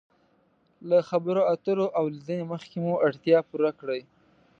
له خبرو اترو او لیدنې مخکې مو اړتیا پوره کړئ.